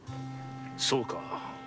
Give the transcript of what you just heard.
そうか。